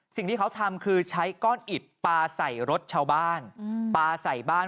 สิ่งที่เขาทำคือใช้ก้อนอิดปลาใส่รถชาวบ้านปลาใส่บ้าน